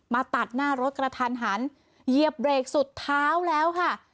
ตัดหน้ารถกระทันหันเหยียบเบรกสุดเท้าแล้วค่ะ